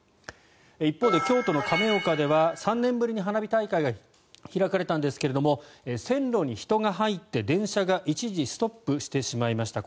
一方で京都の亀岡では３年ぶりに花火大会が開かれたんですが線路に人が入って電車が一時ストップしてしまいました。